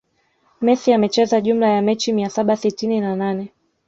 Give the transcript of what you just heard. Messi amecheza jumla ya mechi mia saba sitini na nane